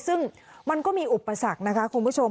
ซึ่งมันก็มีอุปสรรคนะคะคุณผู้ชม